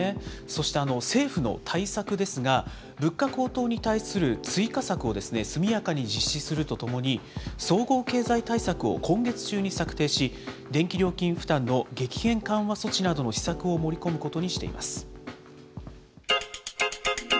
そして政府の対策ですが、物価高騰に対する追加策を速やかに実施するとともに、総合経済対策を今月中に策定し、電気料金負担の激変緩和措置などの施策を盛り込むことにしています。